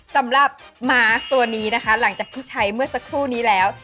สำหรับม้าตัวนี้นะคะหลังจากที่ใช้เมื่อสักครู่นี้แล้ว